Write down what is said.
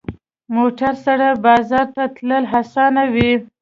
موټر سره بازار ته تلل اسانه وي.